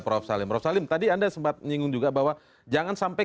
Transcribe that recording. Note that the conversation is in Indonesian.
prof sain kita tahan dulu ya